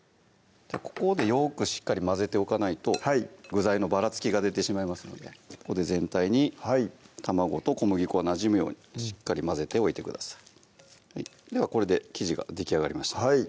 ここでよくしっかり混ぜておかないと具材のばらつきが出てしまいますのでここで全体に卵と小麦粉がなじむようにしっかり混ぜておいてくださいではこれで生地ができあがりました